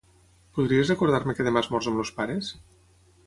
Podries recordar-me que demà esmorzo amb els pares?